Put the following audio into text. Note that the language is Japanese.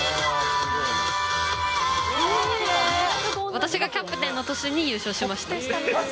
私がキャプテンの年に優勝しました。